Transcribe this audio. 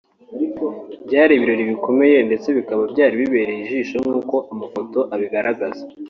byari ibirori bikomeye ndetse bikaba byari bibereye ijisho nkuko n’amafoto abigaragaza